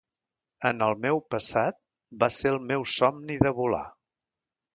En el meu passat va ser el meu somni de volar.